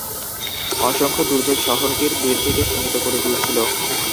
অসংখ্য দুর্যোগ শহরটির বৃদ্ধিকে সীমিত করে দিয়েছিল।